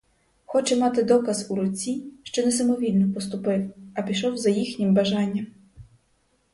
Хоче мати доказ у руці, що не самовільно поступив, а пішов за їхнім бажанням.